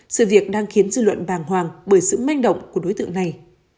sự việc đang khiến dư luận bàng hoàng bởi sự manh động của đối tượng này